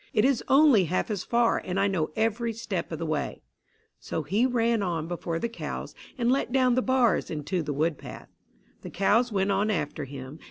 "It is only half as far, and I know every step of the way." So he ran on before the cows, and let down the bars into the wood path. The cows went on after him.